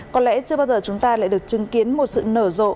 có lẽ chưa bao giờ chúng ta lại được chứng kiến một sự nở rộ